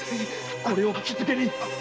これを気付けに。